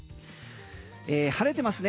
晴れてますね。